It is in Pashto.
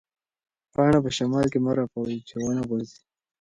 پاڼه په شمال کې مه رپوئ چې ونه غوځېږي.